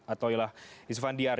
atau yang lainnya